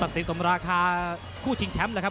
สวัสดีตรงราคาคู่ชิงแชมป์นะครับ